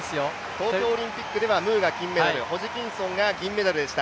東京オリンピックではムーが金メダル、ホジキンソンが銀メダルでした。